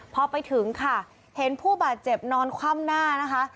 พอไปถึงค่ะเห็นผู้บาดเจ็บนอนคว่ำหน้านะคะ